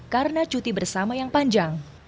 karena cuti bersama yang panjang